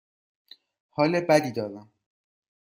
حال بدی دارم.